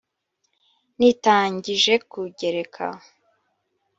Nitangije kugereka !